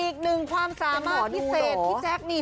อีกหนึ่งความสามารถพิเศษพี่แจ๊คนี่